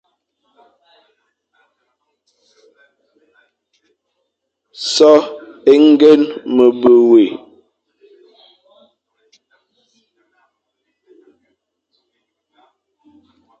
So é ñgeñ me be wé,